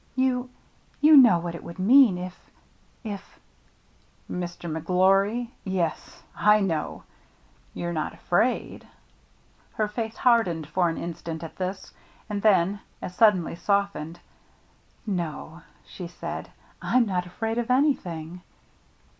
" You — you know what it would mean if — if—" "If McGlory — Yes, I know. You're not afraid?" 68 THE MERRT ANNE Her face hardened for an instant at this, and then, as suddenly, softened. " No," she said ;" I'm not afraid of anything."